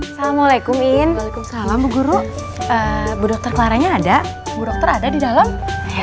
assalamualaikum ingin salam guru bu dr clara nya ada bu doktor ada di dalam ya